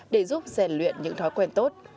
để giúp rèn luyện những thói quen tốt